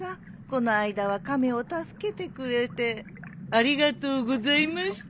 この間はカメを助けてくれてありがとうございました。